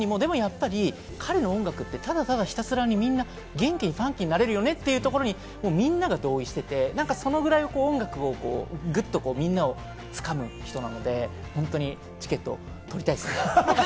そんな議論があった後に、でもやっぱり彼の音楽ってただただひたすらみんな元気にファンキーになれるよねって、みんなが同意してて、そのぐらい音楽をグッとみんなをつかむ人なので、本当にチケット取りたいです。